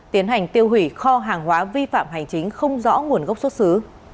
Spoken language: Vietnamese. tiến hành tiêu hủy kho hàng hóa vi phạm hành chính không rõ nguồn gốc xuất xứ